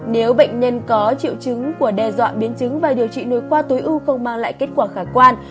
nếu bệnh nhân có triệu chứng của đe dọa biến chứng và điều trị nội qua tối ưu không mang lại kết quả khả quan